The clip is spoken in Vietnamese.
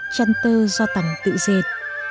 chăn tơ do tầm tự dệt